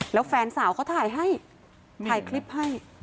แล้วแฟนสาวเขาถ่ายให้ถ่ายคลิปให้